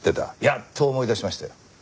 やっと思い出しましたよ。